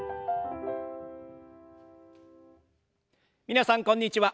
皆さんこんにちは。